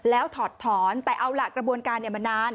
แล้วถอดถอนแต่เอาล่ะกระบวนการมันนาน